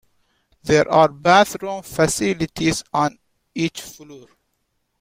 There are bathroom facilities on each floor.